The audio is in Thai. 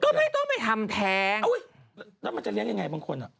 ก็ไม่ต้องไปทำแท้อุ้ยแล้วมันจะเลี้ยงยังไงบางคนอ่ะ